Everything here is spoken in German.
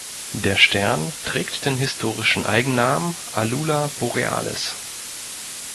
Der Stern trägt den historischen Eigennamen Alula Borealis.